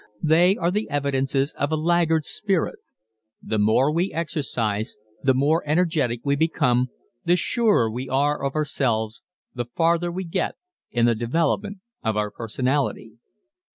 They are the evidences of a laggard spirit. The more we exercise the more energetic we become, the surer we are of ourselves, the farther we get in the development of our personality.